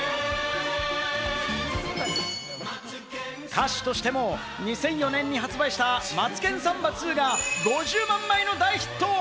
歌手としても２００４年に発売した『マツケンサンバ２』が５０万枚の大ヒット。